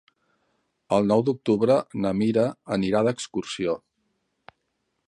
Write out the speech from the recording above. El nou d'octubre na Mira anirà d'excursió.